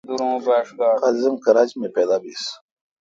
قائد اعظم کراچہ می پادو بیس۔